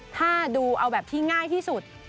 ถ้าดูเอาแบบที่ง่ายที่สุด